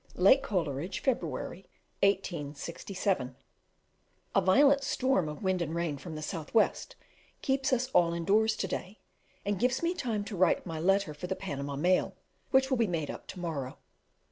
Lake Coleridge, February 1867. A violent storm of wind and rain from the south west keeps us all indoors to day, and gives me time to write my letter for the Panama mail, which will be made up to morrow.